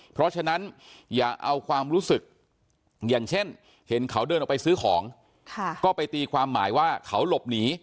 เพราะฉะนั้นอย่าเอาความรู้สึกอย่างเช่นเห็นเขาเดินออกไปซื้อของก็ไปตีความหมายว่าเขาหลบหนี